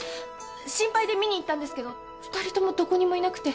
心配で見に行ったんですけど２人ともどこにもいなくて。